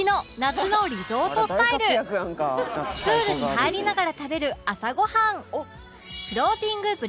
プールに入りながら食べる朝ごはん